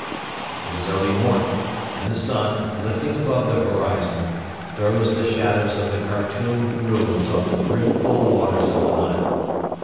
It is early morning, and the sun, lifting above the horizon, throws the shadows of the Khartoum ruins on the brimful waters of the Nile.